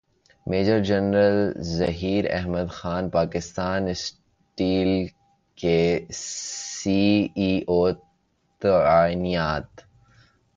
major general Zaheer Ahmed Khan Pakistan steel کے C E O تعینات